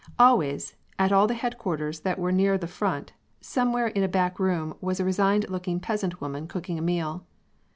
Always, at all the headquarters that were near the front, somewhere in a back room was a resigned looking peasant woman cooking a meal.